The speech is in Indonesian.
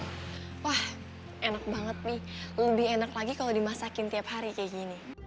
wah enak banget nih lebih enak lagi kalau dimasakin tiap hari kayak gini